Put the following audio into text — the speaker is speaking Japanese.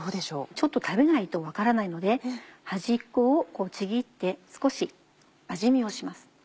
ちょっと食べないと分からないので端っこをちぎって少し味見をします。